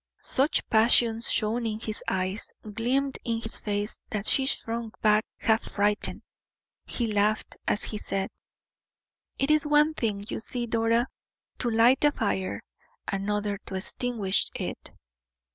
Such passion shone in his eyes, gleamed in his face, that she shrunk back half frightened. He laughed, as he said: "It is one thing, you see, Dora, to light a fire, another to extinguish it."